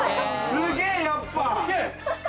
すげぇ、やっぱ。